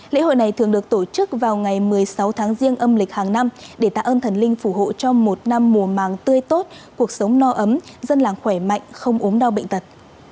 lễ hội này thường được tổ chức vào ngày một mươi sáu tháng riêng âm lịch hàng năm để tạ ơn thần linh phù hộ cho một năm mùa màng tươi tốt cuộc sống no ấm dân làng khỏe mạnh không ốm đau bệnh tật